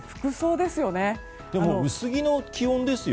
でも、薄着の気温ですよ。